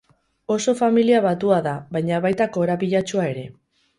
Oso familia batua da, baina baita korapilatsua ere.